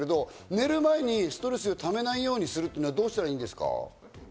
寝る前にストレスをためないようにするっていうのはどうしたらいいんですか？